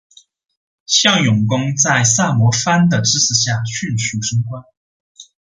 向永功在萨摩藩的支持下迅速升官。